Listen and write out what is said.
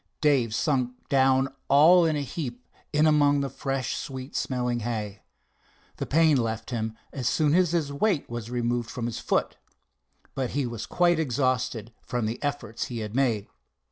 Dave sunk down all in a heap in among the fresh sweet smelling hay. The pain left him as soon as his weight was removed from his foot, but he was quite exhausted from the efforts he had made.